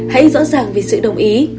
hai hãy rõ ràng về sự đồng ý